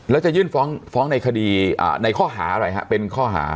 แล้วจะยื่นฟ้องในคดีในข้อหาอะไรฮะเป็นข้อหา